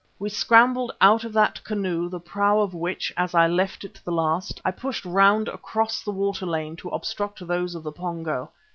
We scrambled out of that canoe the prow of which, as I left it the last, I pushed round across the water lane to obstruct those of the Pongo.